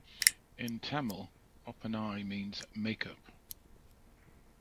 In Tamil, 'Oppanai' means make up.